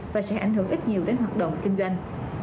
và sẽ ảnh hưởng ít nhiều đến hoạt động kinh doanh